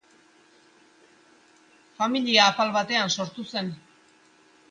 Familia apal batean sortu zen.